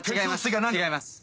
違います